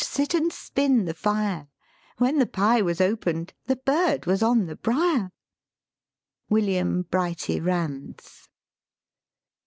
Sit and spin the fire; When the pie was open'd, The bird was on the brier! WILLIAM BRIGHTY RANDS.